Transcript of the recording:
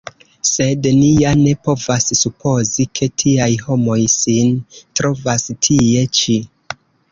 Sed, ni ja ne povas supozi, ke tiaj homoj sin trovas tie ĉi.